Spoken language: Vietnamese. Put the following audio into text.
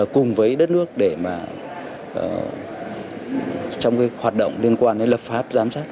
cùng với đất nước để mà trong cái hoạt động liên quan đến lập pháp giám sát